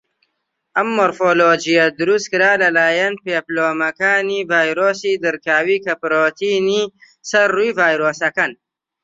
ئەم مۆرفۆلۆجیە دروستکرا لەلایەن پێپلۆمەکانی ڤایرۆسی دڕکاوی، کە پڕۆتینی سەر ڕووی ڤایرۆسەکەن.